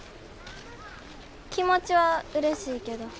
気持ちはうれしいけど。